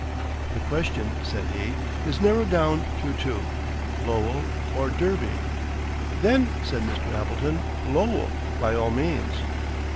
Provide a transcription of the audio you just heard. "The question," said he, "is narrowed down to two, Lowell or Derby." "Then," said Mr. Appleton, "Lowell, by all means."